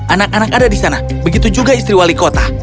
anak anak ada di sana begitu juga istri wali kota